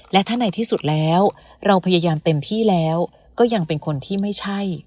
และถ้าในที่สุดแล้วเราพยายามเต็มที่แล้วก็ยังเป็นคนที่ไม่ใช่